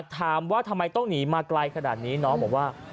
ถามว่าทำไมต้องหนีมาไกลขนาดนี้น้องบอกว่า